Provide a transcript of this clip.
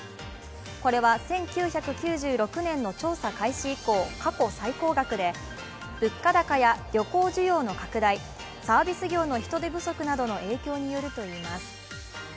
これは１９９６年の調査開始以降過去最高額で物価高や旅行需要の拡大、サービス業の人手不足などの影響によるといいます。